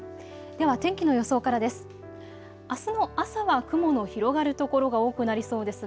では天気の予想からです。